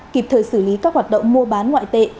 kịp thời xử lý các hoạt động mua bán ngoại tệ